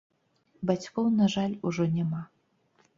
Бацькоў, на жаль, ужо няма.